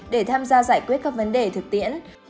để tham gia giải quyết các vấn đề thực tiễn